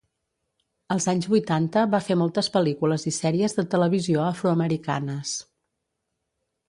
Els anys vuitanta va fer moltes pel·lícules i sèries de televisió afroamericanes.